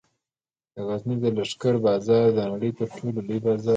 د غزني د لښکر بازار د نړۍ تر ټولو لوی بازار و